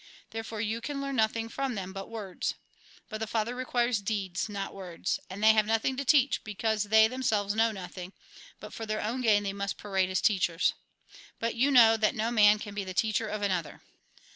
Therefore you can learn notliing from them but words But the Father requires deeds, not words. And they have nothing to teach, because they themselves know nothing ; but for their own gain they must parade as teachers. But you know that no man can be the teacher of another.